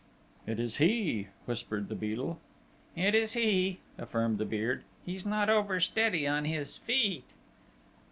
"It is he!" whispered the Beadle. "It is he!" affirmed the Beard. "He's not oversteady on his feet!"